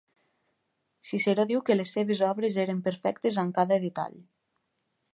Ciceró diu que les seves obres eren perfectes en cada detall.